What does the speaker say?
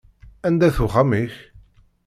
Anda-t uxxam-ik?